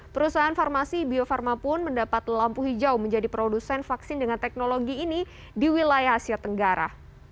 perusahaan farmasi bio farma pun mendapat lampu hijau menjadi produsen vaksin dengan teknologi ini di wilayah asia tenggara